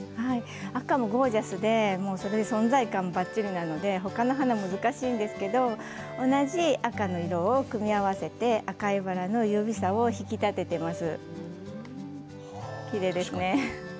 赤はゴージャスで存在感ばっちりなんですが他の花は難しいんですけど同じ赤の色を組み合わせて赤いバラの優美さを引き立てています。